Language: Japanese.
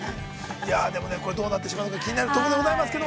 ◆いや、でもね、これ、どうなってしまうのか、気になるところではあるんですけど。